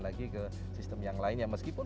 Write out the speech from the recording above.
lagi ke sistem yang lainnya meskipun